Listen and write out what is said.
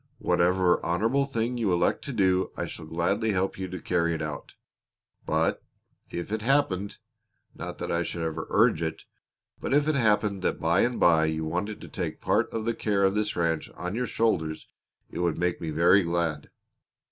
Whatever honorable thing you elect to do I shall gladly help you to carry out. But if it happened not that I should ever urge it but if it happened that by and by you wanted to take part of the care of this ranch on your shoulders it would make me very glad."